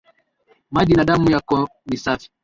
Maji na damu yako ni safi